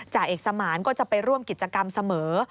จ่าเอกสมานก็จะไปร่วมกิจกรรมเสมอ